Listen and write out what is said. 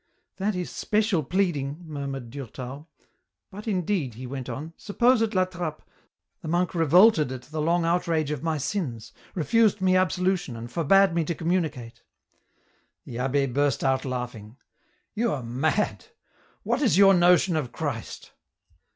" That is special pleading," murmured Durtal. " But indeed," he went on, " suppose at La Trappe, the monk revolted at the long outrage of my sins, refused me absolution, and forbade me to communicate." The abbd burst out laughing. " You are mad ! What is your notion of Christ